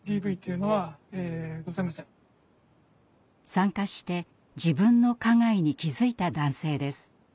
参加して自分の加害に気付いた男性です。